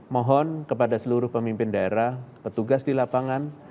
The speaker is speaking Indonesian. mohon kepada seluruh pemimpin daerah petugas di lapangan